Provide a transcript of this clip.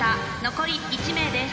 残り１名です。